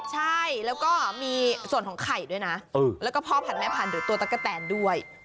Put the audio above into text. ใช่แล้วก็มีส่วนของไข่ด้วยนะแล้วก็พ่อพันธุหรือตัวตะกะแตนด้วย